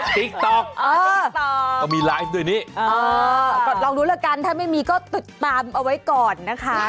ทิกท็อกมีไลฟ์ด้วยนี้เออลองดูแล้วกันถ้าไม่มีก็ติดตามเอาไว้ก่อนนะคะ